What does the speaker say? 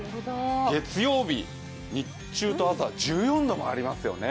月曜日、日中と朝１４度もありますよね。